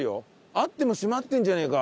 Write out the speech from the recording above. あっても閉まってるんじゃねえか？